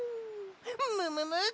むむむ！？